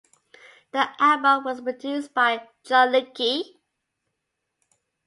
The album was produced by John Leckie.